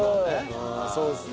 そうですね。